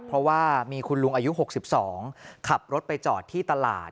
เพราะว่ามีคุณลุงอายุ๖๒ขับรถไปจอดที่ตลาด